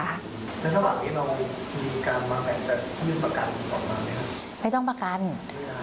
แล้วเท่าข้างนี้มันมีประกันมากไป